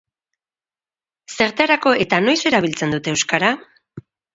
Zertarako eta noiz erabiltzen dute euskara?